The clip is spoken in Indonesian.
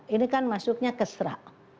ini kan masuknya kesra